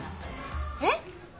えっ！？